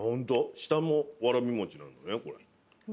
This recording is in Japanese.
下もわらび餅なんだねこれ。